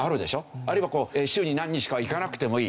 あるいは週に何日かは行かなくてもいい。